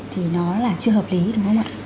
thì nó là chưa hợp lý đúng không ạ